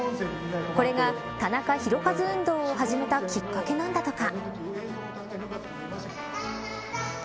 これがタナカヒロカズ運動を始めたきっかけなんだとか。